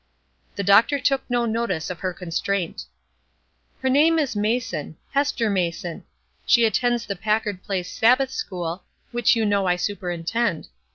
The doctor took no notice of her constraint. "Her name is Mason. Hester Mason. She attends the Packard Place Sabbath school, which you know I superintend.